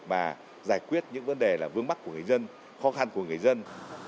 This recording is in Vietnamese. và giải quyết những vấn đề là vướng mắt của người dân khó khăn của người dân